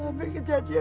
apa kejadian berikutnya